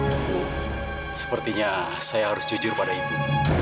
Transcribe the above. sepertinya saya harus jujur pada ibu